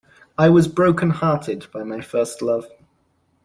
I was broken hearted by my first love.